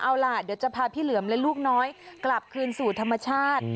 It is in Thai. เอาล่ะเดี๋ยวจะพาพี่เหลือมและลูกน้อยกลับคืนสู่ธรรมชาติ